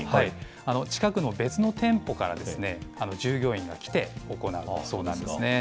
近くの別の店舗から従業員が来て、行うそうなんですね。